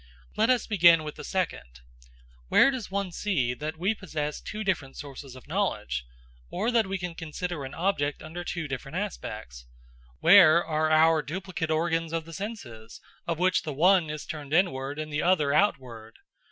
Let us begin with the second. Where does one see that we possess two different sources of knowledge? Or that we can consider an object under two different aspects? Where are our duplicate organs of the senses, of which the one is turned inward and the other outward?